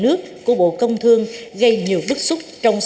nguyên bộ trưởng bộ công thương gây hậu quả nghiêm trọng